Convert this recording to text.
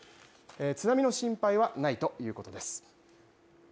津波の心配はないということです。